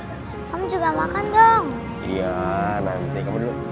kamu juga makan dong